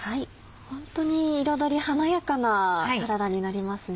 ホントに彩り華やかなサラダになりますね。